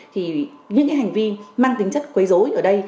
thì những cái hành vi mang tính chất quấy dối ở đây